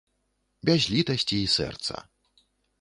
Без літасці і сэрца.